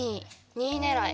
２いねらい。